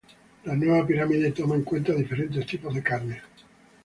La nueva pirámide toma en cuenta diferentes tipos de carnes.